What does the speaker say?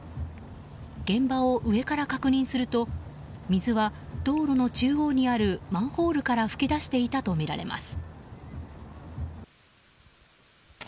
現場を上から確認すると水は道路の中央にあるマンホールから噴き出していたとみられます。